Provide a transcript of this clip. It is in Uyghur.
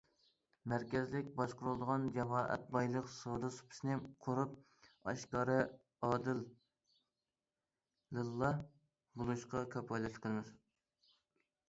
مەركەزلىك باشقۇرۇلىدىغان جامائەت بايلىقى سودا سۇپىسىنى قۇرۇپ، ئاشكارا، ئادىل، لىللا بولۇشقا كاپالەتلىك قىلىمىز.